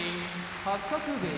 八角部屋